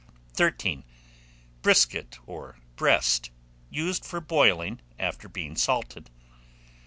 13. Brisket, or breast, used for boiling, after being salted.